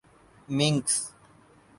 مینکس